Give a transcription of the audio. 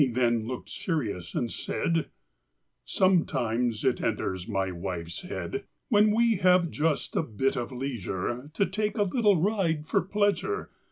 then looked serious and said :— 1897. Copyrighted, Xf^OMETIMES it enters my wife's head, When we have just a bit of leisure, To take a little ride for pleasure.